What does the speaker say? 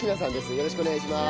よろしくお願いします。